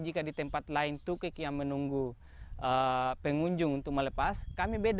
jika di tempat lain tukik yang menunggu pengunjung untuk melepas kami beda